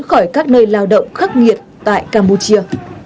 khỏi các nơi lao động khắc nghiệt tại campuchia